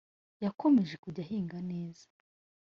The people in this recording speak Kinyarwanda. yakomeje kujya ayihinga neza